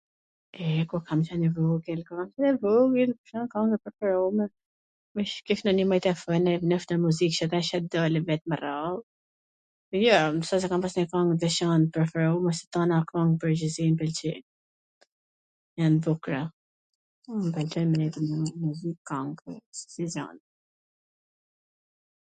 e, kur kam qwn e vogwl, kur kam qwn e vogwl kanga ime e preferume, jkish nonji manjetofon e ... desha tw dali vet me radh...., jo, s wsht se kam pas nonj kwng t veCant t preferume se tana kangt n pwrgjithsi m pwlqejn, jan t bukra